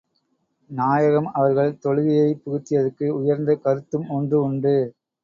நாயகம் அவர்கள் தொழுகையைப் புகுத்தியதற்கு உயர்ந்த கருத்தும் ஒன்று உண்டு.